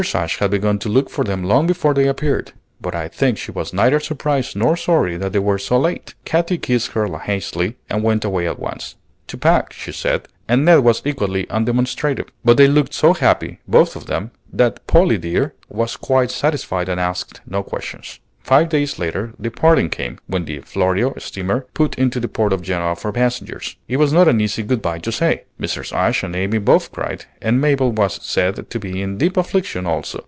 Ashe had begun to look for them long before they appeared, but I think she was neither surprised nor sorry that they were so late. Katy kissed her hastily and went away at once, "to pack," she said, and Ned was equally undemonstrative; but they looked so happy, both of them, that "Polly dear" was quite satisfied and asked no questions. Five days later the parting came, when the "Florio" steamer put into the port of Genoa for passengers. It was not an easy good by to say. Mrs. Ashe and Amy both cried, and Mabel was said to be in deep affliction also.